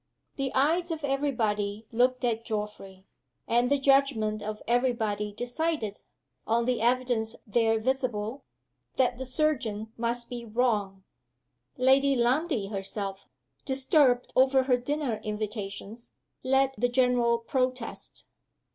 The eyes of every body looked at Geoffrey; and the judgment of every body decided, on the evidence there visible, that the surgeon must be wrong. Lady Lundie herself (disturbed over her dinner invitations) led the general protest.